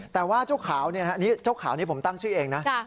แต่ว่าเจ้าขาวนี่เจ้าขาวนี้ผมตั้งชื่อเองนะ